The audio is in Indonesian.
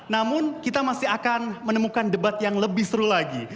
namun kita masih akan menemukan debat yang lebih seru lagi